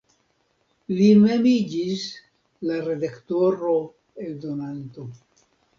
Li mem iĝis la redaktoro-eldonanto.